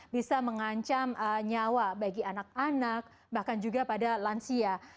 bisa mengancam nyawa bagi anak anak bahkan juga pada lansia